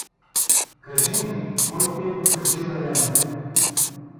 — Кажи ми: кой те е докачил, Елено?